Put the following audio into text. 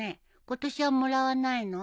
今年はもらわないの？